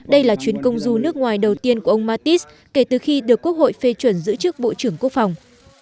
đây là chuyến công du nước ngoài đầu tiên của ông mattis kể từ khi được quốc hội phê chuẩn giữ chức bộ trưởng quốc phòng